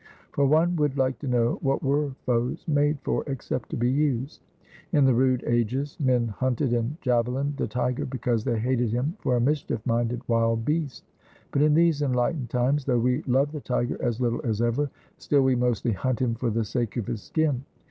For one would like to know, what were foes made for except to be used? In the rude ages men hunted and javelined the tiger, because they hated him for a mischief minded wild beast; but in these enlightened times, though we love the tiger as little as ever, still we mostly hunt him for the sake of his skin.